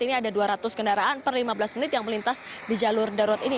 ini ada dua ratus kendaraan per lima belas menit yang melintas di jalur darurat ini